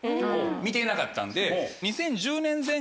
見ていなかったんで。